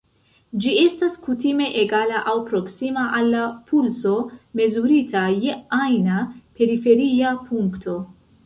Ĝi estas kutime egala aŭ proksima al la pulso mezurita je ajna periferia punkto.